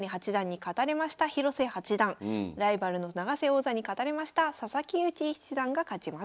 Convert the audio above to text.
ライバルの永瀬王座に勝たれました佐々木勇気七段が勝ちました。